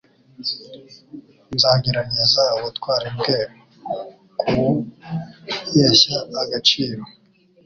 Nzagerageza ubutwari bwe kubuyeshya akaciro .